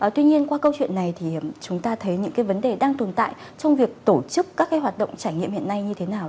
tuy nhiên qua câu chuyện này chúng ta thấy những vấn đề đang tồn tại trong việc tổ chức các hoạt động trải nghiệm hiện nay như thế nào